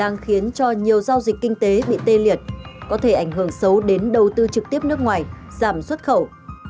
nhiều giao dịch kinh tế bị tê liệt có thể ảnh hưởng xấu đến đầu tư trực tiếp nước ngoài giảm xuất khẩu